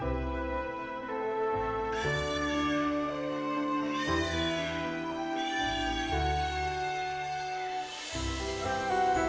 sekarang dia tersusun dengan perempuan